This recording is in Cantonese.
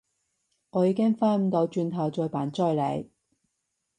我已經返唔到轉頭再扮追你